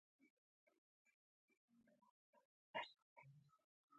زیان پر ځان ومني.